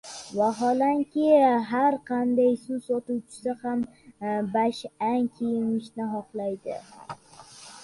Vaholanki, har qanday suv sotuvchisi ham bashang kiyinishni xohlaydi.